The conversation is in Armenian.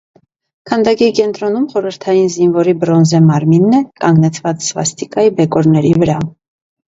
Քանդակի կենտրոնում խորհրդային զինվորի բրոնզե մարմինն է՝ կանգնեցված սվաստիկայի բեկորների վրա։